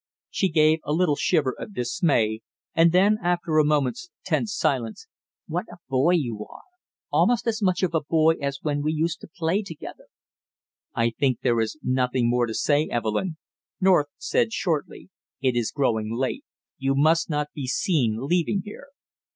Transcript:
She gave a little shiver of dismay, and then after a moment's tense silence: "What a boy you are, almost as much of a boy as when we used to play together." "I think there is nothing more to say, Evelyn," North said shortly. "It is growing late. You must not be seen leaving here!"